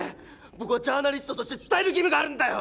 僕はジャーナリストとして伝える義務があるんだよ！